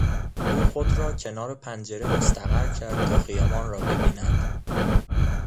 او خود را کنار پنجره مستقر کرد تا خیابان را ببیند.